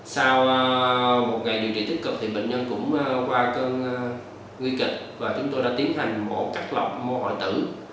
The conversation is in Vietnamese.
sau một ngày điều trị tích cực thì bệnh nhân cũng qua cơn nguy kịch và chúng tôi đã tiến hành mổ cắt lọc mổ hoại tử